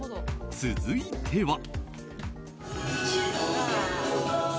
続いては。